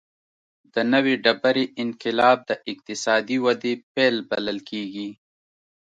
د نوې ډبرې انقلاب د اقتصادي ودې پیل بلل کېږي.